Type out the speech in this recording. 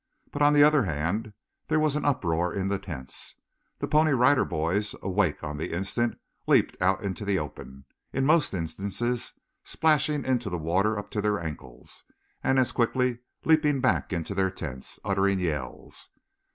But on the other hand there was an uproar in the tents. The Pony Rider Boys, awake on the instant, leaped out into the open, in most instances splashing into the water up to their ankles, and as quickly leaping back into their tents, uttering yells.